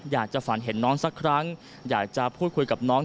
อยากจะฝันเห็นน้องสักครั้งอยากจะพูดคุยกับน้อง